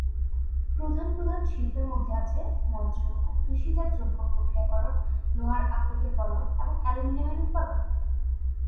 প্রধান প্রধান শিল্পের মধ্যে আছে মৎস্য ও কৃষিজাত দ্রব্য প্রক্রিয়াকরণ, লোহার আকরিকের গলন, এবং অ্যালুমিনিয়াম উৎপাদন।